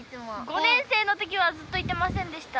５年生のときはずっと行ってませんでした。